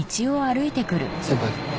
先輩。